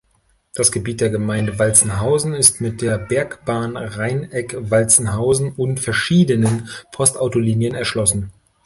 Das Gebiet der Gemeinde Walzenhausen ist mit der Bergbahn Rheineck-Walzenhausen und verschiedenen Postauto-Linien erschlossen.